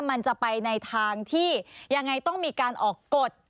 มันจะไปในทางที่ยังไงต้องมีการออกกฎ